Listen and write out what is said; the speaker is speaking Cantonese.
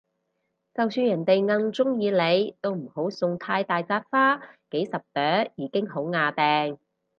就算人哋哽鍾意你都唔好送太大紮花，幾十朵已經好椏掟